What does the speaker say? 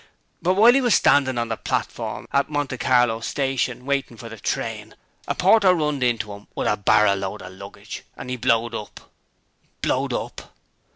But while 'e was standin' on the platform at Monte Carlo Station waitin' for the train, a porter runned into 'im with a barrer load o' luggage, and 'e blowed up.' 'Blowed up?'